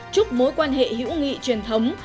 chúc mối quan hệ hữu nghị truyền thống